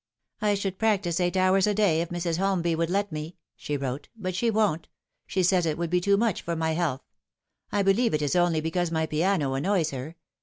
" I should practise eight hours a day if Mrs. Holmby would let me," she wrote, '* but she won't. She says it would be too much for my health. I believe it is only because my piano annoys her.